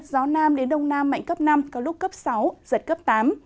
gió nam đến đông nam mạnh cấp năm có lúc cấp sáu giật cấp tám